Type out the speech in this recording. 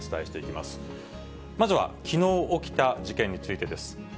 まずはきのう起きた事件についてです。